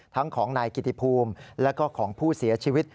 ทั้งของนายกิติภูมิแล้วก็ของผู้เสียชีวิต